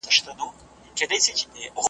چي یې قربان کړل خپل اولادونه .